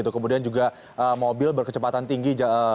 kemudian juga mobil berkecepatan tinggi